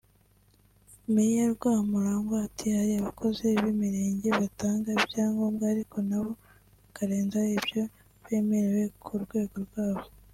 Meya Rwamurangwa ati “Hari abakozi b’Imirenge batanga ibyangombwa ariko nabo bakarenza ibyo bemerewe ku rwego rwabo